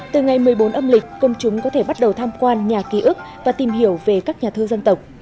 từ ngày một mươi bốn âm lịch công chúng có thể bắt đầu tham quan nhà ký ức và tìm hiểu về các nhà thơ dân tộc